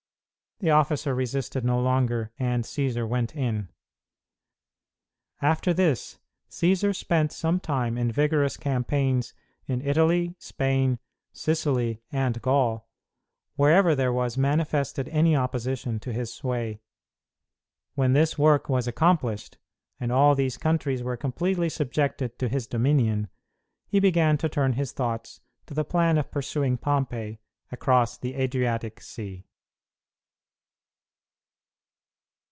The officer resisted no longer, and Cćsar went in. After this, Cćsar spent some time in vigorous campaigns in Italy, Spain, Sicily, and Gaul, wherever there was manifested any opposition to his sway. When this work was accomplished, and all these countries were completely subjected to his dominion, he began to turn his thoughts to the plan of pursuing Pompey across the Adriatic Sea.